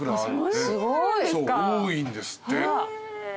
多いんですって。